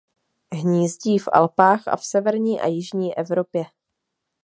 Hnízdí v Alpách a v severní a jižní Evropě.